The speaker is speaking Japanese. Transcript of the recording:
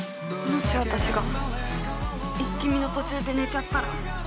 もし私が「イッキ見！」の途中で寝ちゃったら？